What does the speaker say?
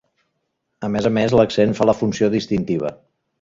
A més a més, l'accent fa la funció distintiva.